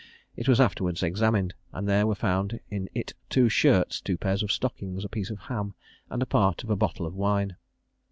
It was afterwards examined, and there were found in it two shirts, two pairs of stockings, a piece of ham, and part of a bottle of wine.